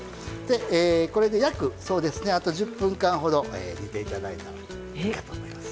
これで約１０分間ほど煮ていただいたらいいと思います。